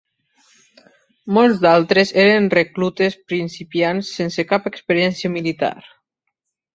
Molts d'altres eren reclutes principiants sense cap experiència militar.